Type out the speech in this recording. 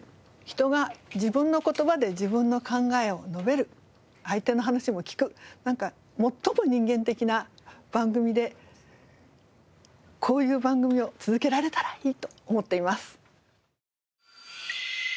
人が自分の言葉で自分の考えを述べる相手の話も聞くなんか最も人間的な番組でこういう番組を続けられたらいいと思っています。